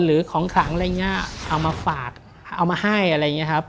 หรือของขลังอะไรอย่างเงี้ยเอามาฝากเอามาให้อะไรอย่างนี้ครับ